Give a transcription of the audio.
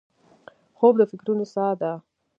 خوب د فکرونو سا ده